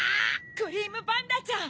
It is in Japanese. クリームパンダちゃん！